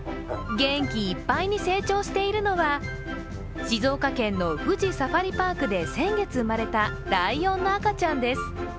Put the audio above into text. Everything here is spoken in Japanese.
元気いっぱいに成長しているのは静岡県のサファリパークで先月生まれたライオンの赤ちゃんです。